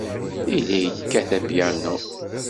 Yella yekkat apyanu.